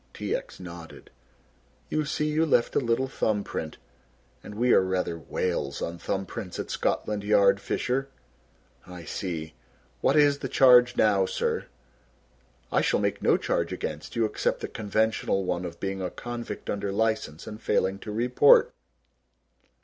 T. X. nodded. "You see you left a little thumb print, and we are rather whales on thumb prints at Scotland Yard, Fisher." "I see. What is the charge now, sir!" "I shall make no charge against you except the conventional one of being a convict under license and failing to report."